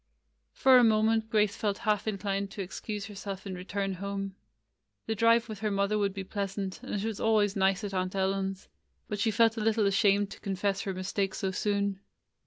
For a moment Grace felt half inclined to excuse herself and return home. The drive with her mother would be pleasant, and it was always nice at Aunt Ellen's. But [ 84 ] GRACE^S HOLIDAY she felt a little ashamed to confess her mistake so soon.